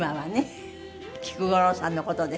菊五郎さんの事ですけれども。